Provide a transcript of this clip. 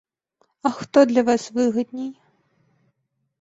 А хто для вас выгадней?